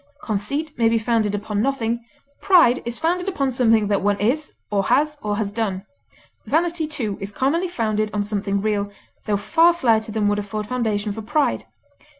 Conceit may be founded upon nothing; pride is founded upon something that one is, or has, or has done; vanity, too, is commonly founded on something real, tho far slighter than would afford foundation for pride.